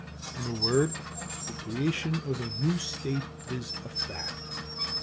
In a word, the creation of a new state is a fact.